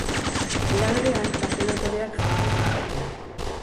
Era berean, traje dotoreak jantzi zituzten.